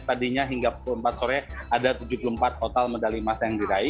tadinya hingga pukul empat sore ada tujuh puluh empat total medali masnya